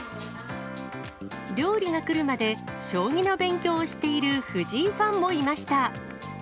料理が来るまで、将棋の勉強をしている藤井ファンもいました。